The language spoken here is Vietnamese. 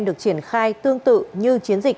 được triển khai tương tự như chiến dịch